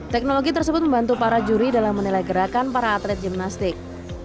teknologi tersebut membantu para juri dalam menilai gerakan para atlet gimnastik